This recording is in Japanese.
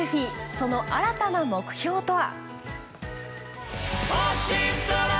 その新たな目標とは？